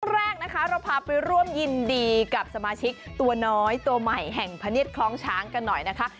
แรกนะคะเราพาไปร่วมยินดีกับสมาชิกตัวน้อยตัวใหม่แห่งพะเนียดคล้องช้างกันหน่อยนะคะ